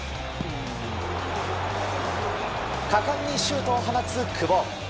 果敢にシュートを放つ久保。